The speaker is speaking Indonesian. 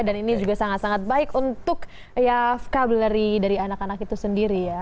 dan ini juga sangat sangat baik untuk ya vocabulary dari anak anak itu sendiri ya